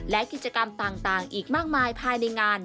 และกิจกรรมต่างอีกมากมายภายในงาน